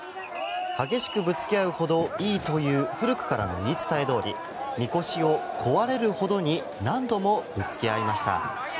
激しくぶつけ合うほどいいという古くからの言い伝えどおりみこしを壊れるほどに何度もぶつけ合いました。